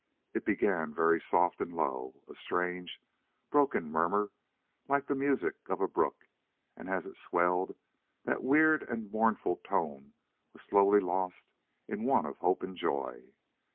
It began very soft and low, a strange, broken murmur, like the music of a brook, and as it swelled that weird and mournful tone was slowly lost in one of hope and joy.